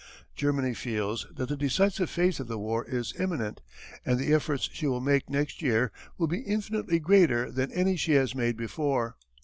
"Germany feels that the decisive phase of the war is imminent and the efforts she will make next year will be infinitely greater than any she has made before.